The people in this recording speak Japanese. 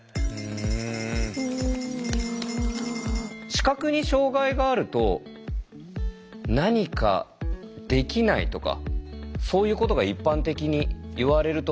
視覚に障害があると何かできないとかそういうことが一般的にいわれると思うんですけれども。